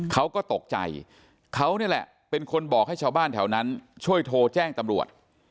เขาก็ตกใจเขานี่แหละเป็นคนบอกให้ชาวบ้านแถวนั้นช่วยโทรแจ้งตำรวจ